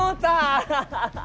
アハハハ！